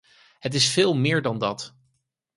Het is veel meer dan dat.